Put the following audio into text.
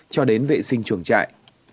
cho đến vệ sinh chuồng trại